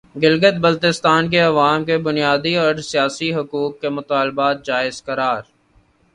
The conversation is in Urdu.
گلگت بلتستان کے عوام کے بنیادی اور سیاسی حقوق کے مطالبات جائز قرار